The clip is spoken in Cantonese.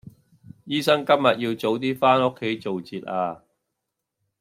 醫生今日要早啲返屋企做節呀